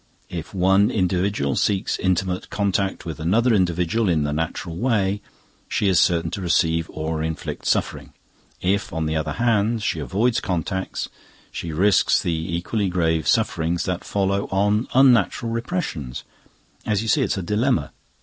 If one individual seeks intimate contact with another individual in the natural way, she is certain to receive or inflict suffering. If on the other hand, she avoids contacts, she risks the equally grave sufferings that follow on unnatural repressions. As you see, it's a dilemma."